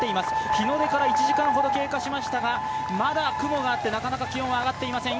日の出から１時間ほど経過しましたがまだ雲があって、なかなか気温は上がっていません。